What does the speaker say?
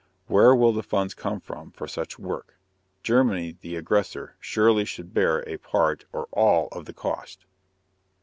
Where will the funds come from for such work? Germany, the aggressor, surely should bear a part or all of the cost.